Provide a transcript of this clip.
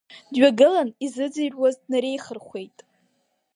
Дҩагылан изыӡырҩуаз днареихырхәеит.